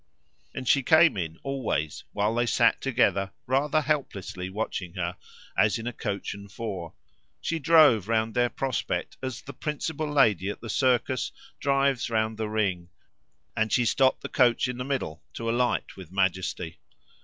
And she came in, always, while they sat together rather helplessly watching her, as in a coach and four; she drove round their prospect as the principal lady at the circus drives round the ring, and she stopped the coach in the middle to alight with majesty.